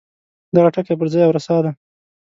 دغه ټکی پر ځای او رسا دی.